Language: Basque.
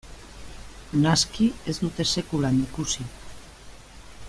Naski ez dute sekulan ikusi.